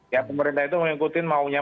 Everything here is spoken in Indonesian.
ya pemerintah itu mau ngikutin maunya